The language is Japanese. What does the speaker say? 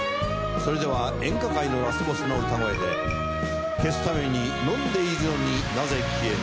それでは演歌界のラスボスの歌声で消すために飲んでいるのになぜ消えぬ。